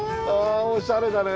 おしゃれだね。